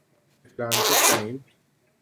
Atlantic time